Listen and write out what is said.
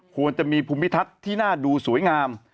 ควรจะมีภูมิทัศน์ที่น่าดูสวยงาม